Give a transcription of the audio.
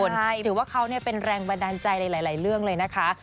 ถือว่าเขาเป็นแรงบันดาลใจในหลายเรื่องเลยนะคะ